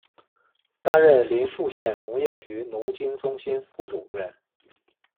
担任临沭县农业局农经中心副主任。